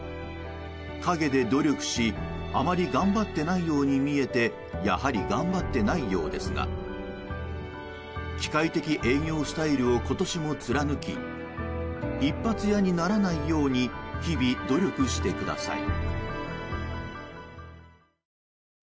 陰で努力しあまり頑張ってないように見えてやはり頑張ってないようですが機械的営業スタイルを今年も貫き一発屋にならないように日々、努力してください。